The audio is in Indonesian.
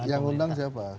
jadi yang mengundang siapa